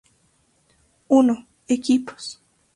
I: Equipos.